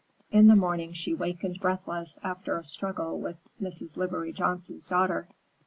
In the morning she wakened breathless after a struggle with Mrs. Livery Johnson's daughter.